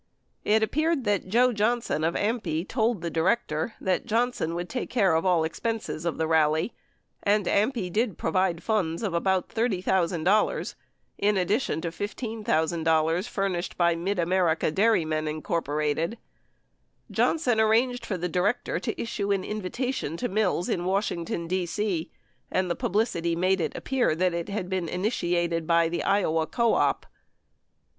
It appeared that Joe Johnson of AMPI told the director that Johnson would take care of all expenses of the rally, and AMPI did provide funds of about $30,000 in addition to $15,000 furnished by Mid America Dairymen, Inc. Johnson arranged for the director to issue an invitation to Mills in Washington, D.C. and the publicity made it appear that it had been initiated by Iowa Co op.